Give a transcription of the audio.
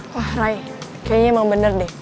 wah naik kayaknya emang bener deh